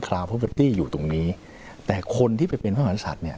คลาวพอร์เบอร์ตี้อยู่ตรงนี้แต่คนที่เป็นภาพมหาศาสตร์เนี้ย